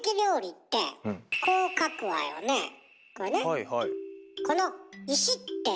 はいはい。